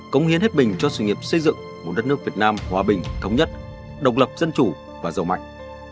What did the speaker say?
công hiến hết bình cho sự nghiệp xây dựng một đất nước việt nam hòa bình thống nhất độc lập dân chủ và giàu mạnh